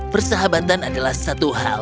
persahabatan adalah satu hal